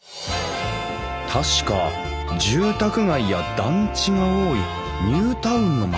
確か住宅街や団地が多いニュータウンの町だよな